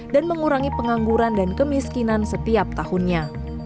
dan mengurangi pengangguran dan kemiskinan setiap tahunnya